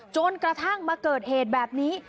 จนกระทั่งมาเกิดเหตุแบบนี้